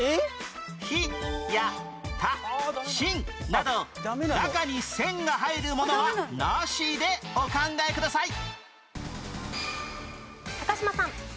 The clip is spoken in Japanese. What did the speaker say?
「日」や「田」「申」など中に線が入るものはなしでお考えください嶋さん。